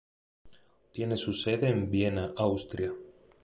Tiene su sede en Viena, Austria.